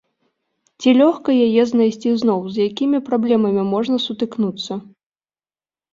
Ці лёгка яе знайсці зноў, з якімі праблемамі можна сутыкнуцца?